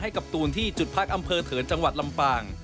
กับตูนที่จุดพักอำเภอเถินจังหวัดลำปาง